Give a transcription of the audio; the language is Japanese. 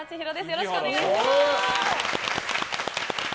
よろしくお願いします。